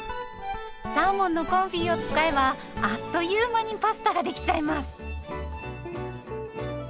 サーモンのコンフィを使えばあっという間にパスタができちゃいます。